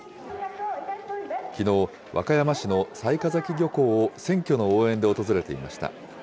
きのう、和歌山市の雑賀崎漁港を選挙の応援で訪れていました。